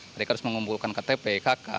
mereka harus mengumpulkan ktp kk